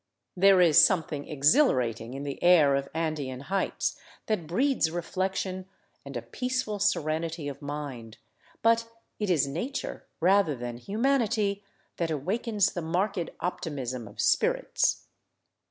There is something exhilarating in the air of Andean heights that breeds reflection and a peaceful serenity of mind; but it is nature, rather than humanity, that awakens the marked optimism of spirits.